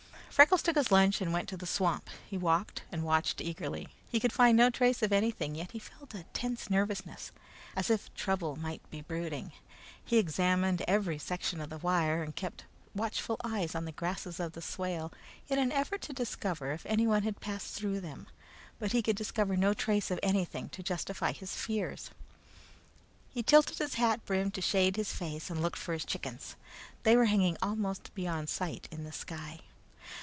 Freckles took his lunch and went to the swamp. He walked and watched eagerly. He could find no trace of anything, yet he felt a tense nervousness, as if trouble might be brooding. He examined every section of the wire, and kept watchful eyes on the grasses of the swale, in an effort to discover if anyone had passed through them; but he could discover no trace of anything to justify his fears. He tilted his hat brim to shade his face and looked for his chickens. They were hanging almost beyond sight in the sky.